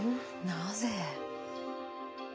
なぜ？